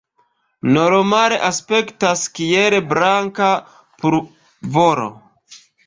Normale aspektas kiel blanka pulvoro.